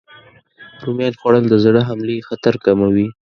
رومیان خوړل د زړه حملې خطر کموي.